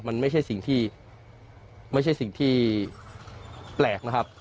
มันไม่ใช่สิ่งที่ไม่ใช่สิ่งที่แปลกนะครับ